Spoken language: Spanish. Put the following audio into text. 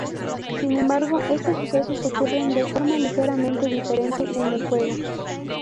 Sin embargo, estos sucesos ocurren de forma ligeramente diferente en el juego.